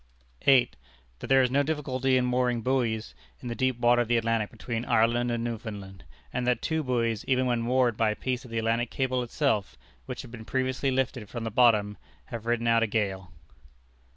8. That there is no difficulty in mooring buoys in the deep water of the Atlantic between Ireland and Newfoundland, and that two buoys even when moored by a piece of the Atlantic Cable itself, which had been previously lifted from the bottom, have ridden out a gale.